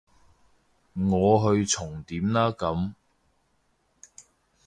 我去重點啦咁